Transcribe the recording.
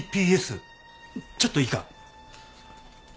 ちょっといいか？